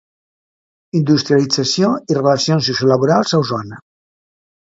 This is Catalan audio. Industrialització i relacions sociolaborals a Osona.